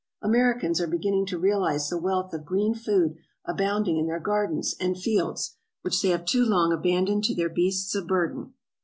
Americans are beginning to realize the wealth of green food abounding in their gardens and fields, which they have too long abandoned to their beasts of burden.